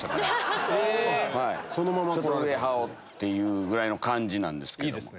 上羽織ってというぐらいの感じなんですけども。